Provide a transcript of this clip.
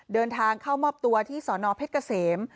เดินทางเข้ามอบตัวที่สนเพชรเกษม